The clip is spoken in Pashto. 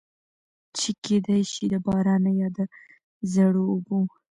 چې کېدے شي د بارانۀ يا د زړو اوبو